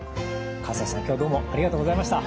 西さん今日はどうもありがとうございました。